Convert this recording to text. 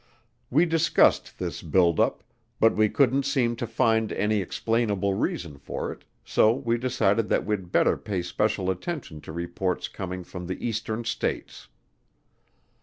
We discussed this build up, but we couldn't seem to find any explainable reason for it so we decided that we'd better pay special attention to reports coming from the eastern states.